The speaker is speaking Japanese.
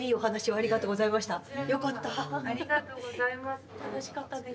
ありがとうございます。